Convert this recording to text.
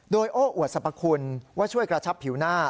โดยโอ้อวดสรรพคุณว่าช่วยกระชับผิวหน้า